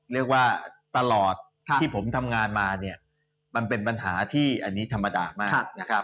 เรียกว่าตลอดที่ผมทำงานมาเนี่ยมันเป็นปัญหาที่อันนี้ธรรมดามากนะครับ